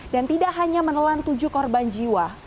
dan tidak hanya menelan tujuh korban jiwa